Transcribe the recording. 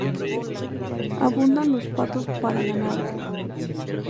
Abundan los patos para ganado.